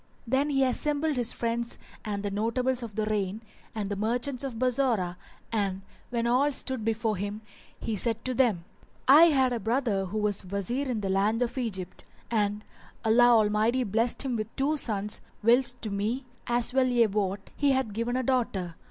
Then he assembled his friends and the notables of the reign and the merchants of Bassorah and when all stood before him he said to them, "I had a brother who was Wazir in the land of Egypt, and Allah Almighty blessed him with two sons, whilst to me, as well ye wot, He hath given a daughter.